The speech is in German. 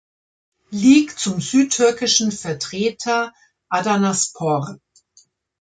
Lig zum südtürkischen Vertreter Adanaspor.